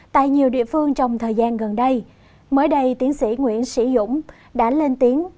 tại nhiều địa phương trong thời gian gần đây mới đây tiến sĩ nguyễn sĩ dũng đã lên tiếng